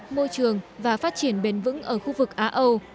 môi trường và phát triển bền vững ở khu vực á âu